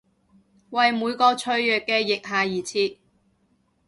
為每個脆弱嘅腋下而設！